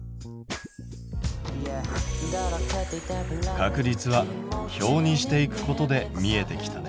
確率は表にしていくことで見えてきたね。